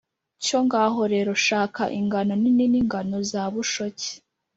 Cyo ngaho rero shaka ingano nini n’ingano za bushoki